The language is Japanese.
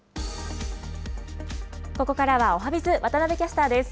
ここからはおはＢｉｚ、渡部キャスターです。